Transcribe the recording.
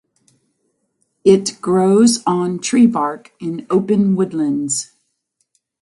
It grows on tree bark in open woodlands.